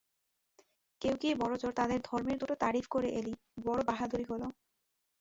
কেউ গিয়ে বড়জোড় তাদের ধর্মের দুটো তারিফ করে এলি, বড় বাহাদুরী হল।